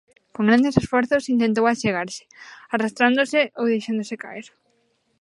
Con grandes esforzos, intentou achegarse, arrastrándose ou deixándose caer;